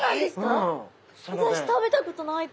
私食べたことない。